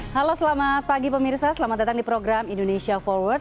halo selamat pagi pemirsa selamat datang di program indonesia forward